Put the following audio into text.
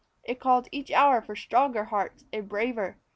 It calls each hour for stronger hearts and braver.